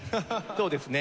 そうですね。